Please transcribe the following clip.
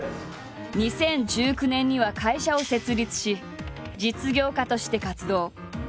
２０１９年には会社を設立し実業家として活動。